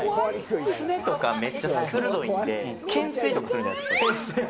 爪とかめっちゃ鋭いんで、けんすいとかするんじゃないですか。